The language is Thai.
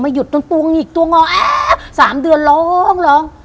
ไม่หยุดต้นตัวอีกตัวงอเอ๊ะสามเดือนร้องร้อง